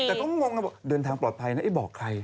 แต่เขาก็งงว่าเดินทางปลอดภัยนะบอกใคร